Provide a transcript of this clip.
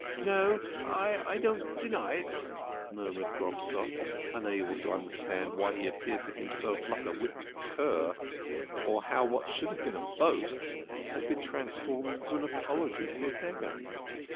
"" No, I don't deny it," murmured Grobstock, unable to understand why he appeared to himself like a whipped cur, or how what should have been a boast had been transformed into an apology to a beggar.